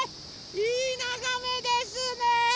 いいながめですね！